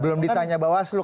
belum ditanya bawaslu